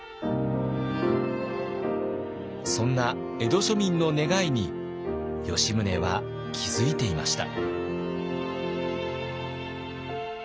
そんな江戸庶民の願いに吉宗は気付いていました。